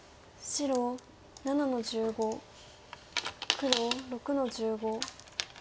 黒６の十五。